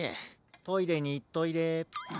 トイレにいっといれ。